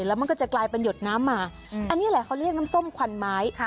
แล้วมันก็จะกลายเป็นหยดน้ำมาอันนี้แหละเขาเรียกน้ำส้มควันไม้